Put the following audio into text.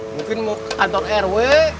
mungkin mau ke kantor rw